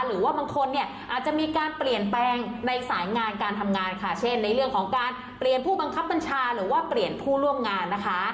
หรือว่าบางคนเนี่ยอาจจะมีการเปลี่ยนแปลงในสายงานการทำงานค่ะเช่นในเรื่องของการเปลี่ยนผู้บังคับบัญชาหรือว่าเปลี่ยนผู้ร่วมงานนะคะ